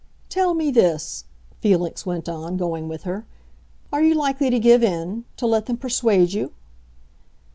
"Tell me this," Felix went on, going with her: "are you likely to give in—to let them persuade you?"